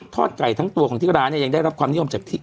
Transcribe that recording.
ไก่ทั้งตัวของที่ร้านเนี่ยยังได้รับความนิยมจากที่